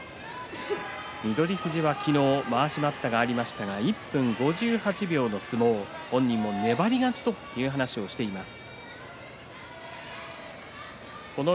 翠富士は昨日まわし待ったがありましたが１分５８秒の相撲本人も粘り勝ちと話しています。